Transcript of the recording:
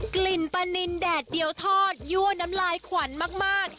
กลิ่นปลานินแดดเดียวทอดยั่วน้ำลายขวัญมาก